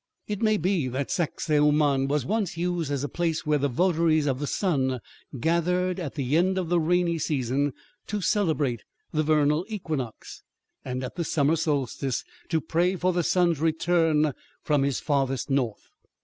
It may be that Sacsahuaman was once used as a place where the votaries of the sun gathered at the end of the rainy season to celebrate the vernal equinox, and at the summer solstice to pray for the sun's return from his "farthest north."